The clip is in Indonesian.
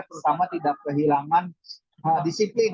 terutama tidak kehilangan disiplin